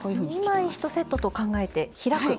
２枚１セットと考えて開く。